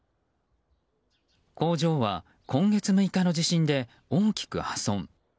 工場は今月６日の地震で大きく破損。